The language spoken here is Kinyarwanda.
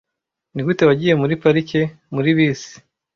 "Nigute wagiye muri parike?" "Muri bisi."